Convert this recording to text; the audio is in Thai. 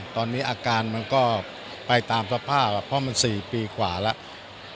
ตอนนี้อาการมันก็ไปตามสภาพเพราะมัน๔ปีกว่าแล้ว